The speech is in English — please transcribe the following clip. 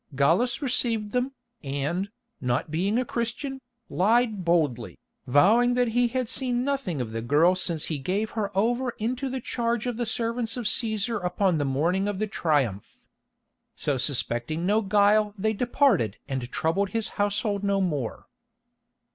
Gallus received them, and, not being a Christian, lied boldly, vowing that he had seen nothing of the girl since he gave her over into the charge of the servants of Cæsar upon the morning of the Triumph. So suspecting no guile they departed and troubled his household no more.